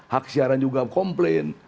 hak siaran juga komplain